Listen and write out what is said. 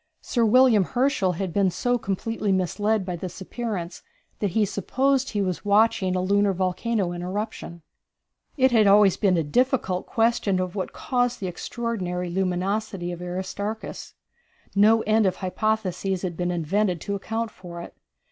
Sir William Herschel had been so completely misled by this appearance that he supposed he was watching a lunar volcano in eruption. It had always been a difficult question what caused the extraordinary luminosity of Aristarchus. No end of hypotheses had been invented to account for it.